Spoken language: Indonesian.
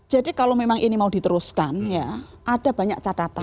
jadi kalau memang ini mau diteruskan ya ada banyak catatan